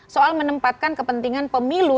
soal menempatkan kepentingan pemilu